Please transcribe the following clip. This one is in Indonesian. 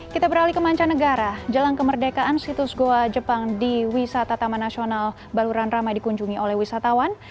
kita beralih ke mancanegara jelang kemerdekaan situs goa jepang di wisata taman nasional baluran ramai dikunjungi oleh wisatawan